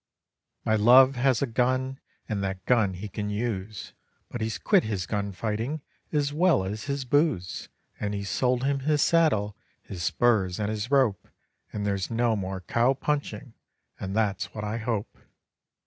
My love has a gun, and that gun he can use, But he's quit his gun fighting as well as his booze; And he's sold him his saddle, his spurs, and his rope, And there's no more cow punching, and that's what I hope.